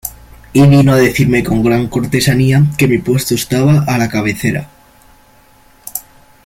y vino a decirme con gran cortesanía que mi puesto estaba a la cabecera.